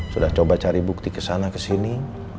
sudah coba cari bukti kesana kesini